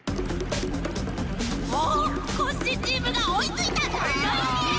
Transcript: おおコッシーチームがおいついた！はいや！